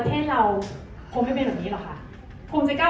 อ๋อแต่มีอีกอย่างนึงค่ะ